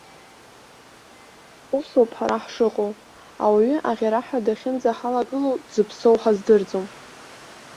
Усоуп ҳара ҳшыҟоу, ауаҩы аӷьараҳәа дахьынӡаҳалагылоу дзыԥсоу ҳаздырӡом.